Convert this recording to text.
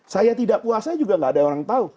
saya tidak puasa juga gak ada orang tahu